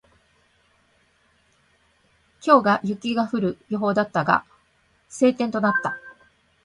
今日は雪が降る予報だったが、晴天となった。